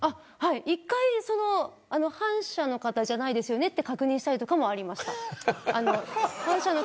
一回、反社の方ではないですねと確認したりもありました。